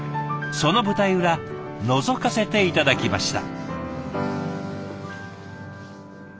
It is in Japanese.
その舞台裏のぞかせて頂きました。